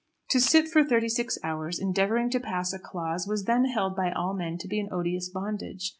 To sit for thirty six hours endeavouring to pass a clause was then held by all men to be an odious bondage.